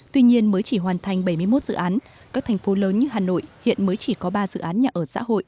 tuy nhiên mới chỉ hoàn thành bảy mươi một dự án các thành phố lớn như hà nội hiện mới chỉ có ba dự án nhà ở xã hội